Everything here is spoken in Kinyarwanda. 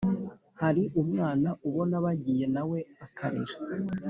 Hari umwana ubona bagiye nawe akarira